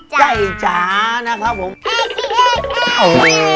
ไก่จ๋า